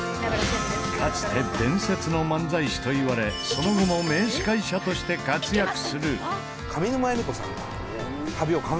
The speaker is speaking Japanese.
かつて伝説の漫才師といわれその後も名司会者として活躍する。